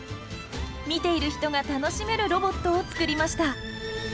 見ている人が楽しめるロボットを作りました。